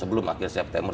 sebelum akhir september